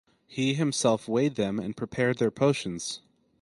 He himself weighed them and prepared their potions.